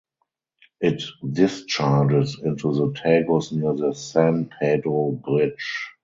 It discharges into the Tagus near the San Pedro Bridge.